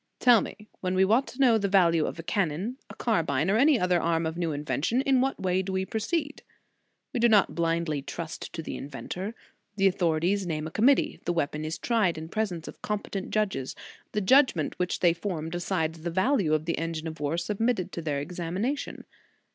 Tell me when we want to know the value of a cannon, a carbine, or any other arm of new invention, in what way do we proceed ? We do not blindly trust to the inventor. The authorities name a committee; the weapon is tried in presence of competent judges. The judgment which they form decides the value of the engine of war sub mitted to their examination.